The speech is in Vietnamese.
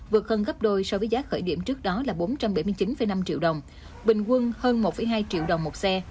vượt hơn gấp đôi so với giá khởi điểm trước đó là bốn trăm bảy mươi chín năm triệu đồng bình quân hơn một hai triệu đồng một xe